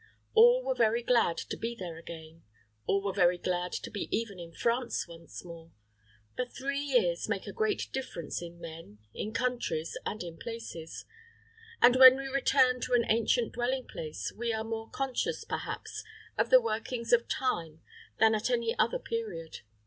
All were very glad to be there again; all were very glad to be even in France once more. But three years make a great difference in men, in countries, and in places; and when we return to an ancient dwelling place, we are more conscious, perhaps, of the workings of time than at any other period.